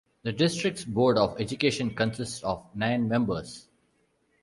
The District's Board of Education consists of nine members.